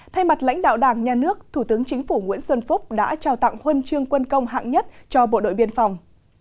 thay mặt lãnh đạo đảng nhà nước thủ tướng chính phủ nguyễn xuân phúc đã trao tặng huân chương quân công hạng nhất cho bộ đội biên phòng